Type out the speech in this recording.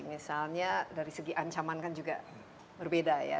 misalnya dari segi ancaman kan juga berbeda ya